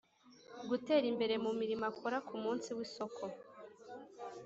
gutera imbere mu mirimo akora kumunsi wisoko